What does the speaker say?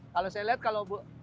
kalau saya lihat kalau